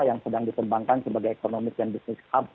yang sedang dikembangkan sebagai ekonomis dan bisnis hub